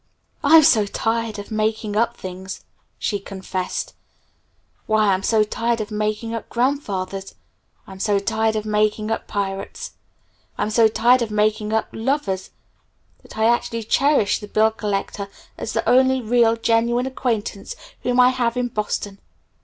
"I'm so tired of making up things," she confessed; "why, I'm so tired of making up grandfathers, I'm so tired of making up pirates, I'm so tired of making up lovers that I actually cherish the bill collector as the only real, genuine acquaintance whom I have in Boston.